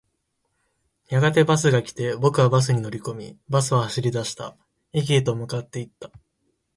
やがてバスが来て、僕はバスに乗り込み、バスは走り出した。駅へと向かっていった。